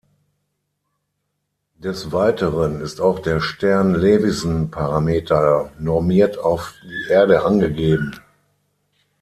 Des Weiteren ist auch der Stern-Levison-Parameter normiert auf die Erde angegeben.